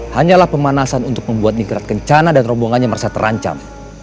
hanyalah pemanasan untuk membuat nikrat kencana dan rombongannya merasa terancam